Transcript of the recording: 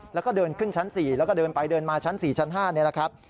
แล้วก็เดินขึ้นชั้น๔แล้วก็เดินไปเดินมาชั้น๔ชั้น๕นี่แหละครับ